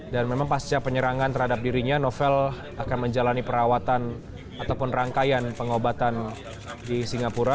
dan memang pasca penyerangan terhadap dirinya novel akan menjalani perawatan ataupun rangkaian pengobatan di singapura